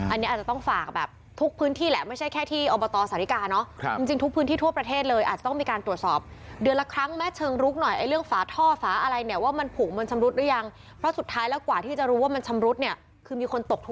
อันนี้อาจจะต้องฝากแบบทุกพื้นที่เเหละไม่ใช่แค่ที่